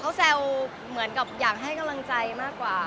เขาแซวเหมือนกับอยากให้กำลังใจมากกว่า